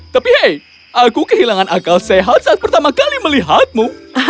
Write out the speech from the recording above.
tapi hei aku kehilangan akal sehat saat pertama kali melihatmu